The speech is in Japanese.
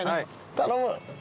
頼む！